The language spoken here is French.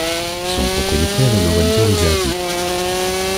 Son propriétaire est Lorenzo Rizzardi.